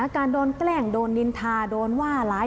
การโดนแกล้งโดนนินทาโดนว่าร้าย